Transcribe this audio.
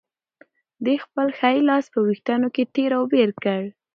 ده خپل ښی لاس په وېښتانو کې تېر او بېر کړ.